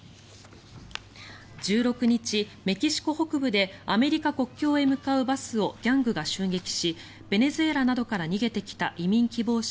１６日、メキシコ北部でアメリカ国境へ向かうバスをギャングが襲撃しベネズエラなどから逃げてきた移民希望者